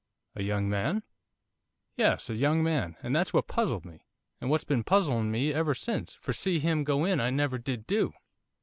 'A young man?' 'Yes, a young man, and that's what puzzled me, and what's been puzzling me ever since, for see him go in I never did do.